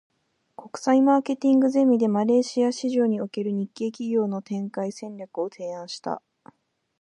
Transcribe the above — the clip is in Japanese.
国際マーケティングゼミで、マレーシア市場における日系企業の展開戦略を提案した。